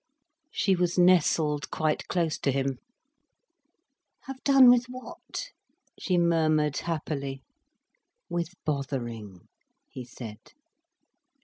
She was nestled quite close to him. "Have done with what?" she murmured, happily. "With bothering," he said.